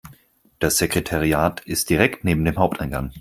Das Sekretariat ist direkt neben dem Haupteingang.